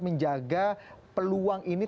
menjaga peluang ini